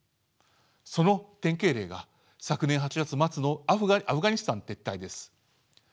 その典型例が昨年８月末のアフガニスタン撤退です。